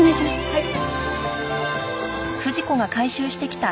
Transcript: はい。